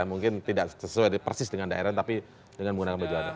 mungkin tidak sesuai persis dengan daerah tapi dengan menggunakan baju adat